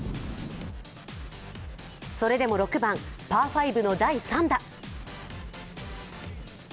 それでも６番パー５の第３打。